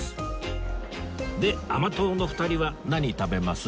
で甘党の２人は何食べます？